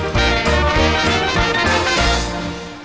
โปรดติดตามต่อไป